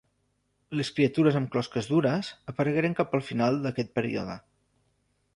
Les criatures amb closques dures aparegueren cap al final d'aquest període.